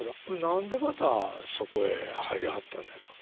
何でまたそこへ入りはったんでっか？